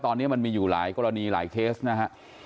ตอนนี้มันมีอยู่หลายกรณีหลายเคสนะฮะ